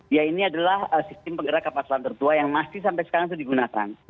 ya ini adalah sistem penggerak kapal selam tertua yang masih sampai sekarang itu digunakan